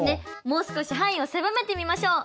もう少し範囲を狭めてみましょう。